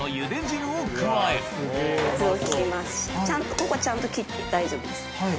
ここちゃんと切って大丈夫です。